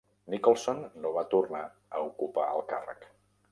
Nicholson no va tornar a ocupar el càrrec.